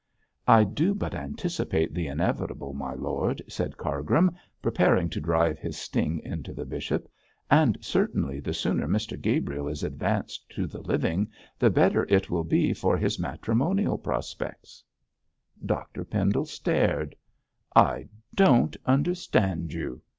'I do but anticipate the inevitable, my lord,' said Cargrim, preparing to drive his sting into the bishop, 'and certainly, the sooner Mr Gabriel is advanced to the living the better it will be for his matrimonial prospects.' Dr Pendle stared. 'I don't understand you!'